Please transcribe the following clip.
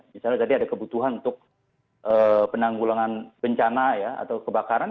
misalnya tadi ada kebutuhan untuk penanggulangan bencana atau kebakaran